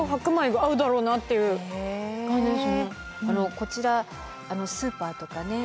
こちらスーパーとかね